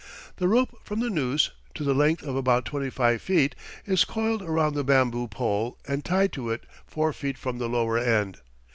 The rope from the noose, to the length of about twenty five feet, is coiled around the bamboo pole and tied to it four feet from the lower end.